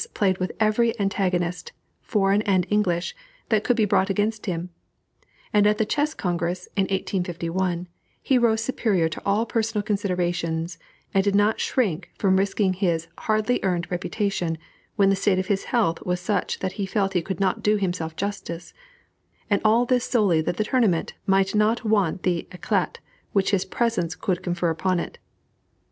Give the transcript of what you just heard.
played with every antagonist, foreign and English, that could be brought against him; and at the Chess Congress, in 1851, he rose superior to all personal considerations, and did not shrink from risking his hardly earned reputation, when the state of his health was such that he felt he could not do himself justice; and all this solely that the tournament might not want the éclat which his presence could confer upon it.